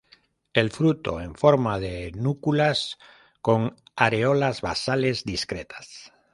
El fruto en forma de núculas con areolas basales discretas.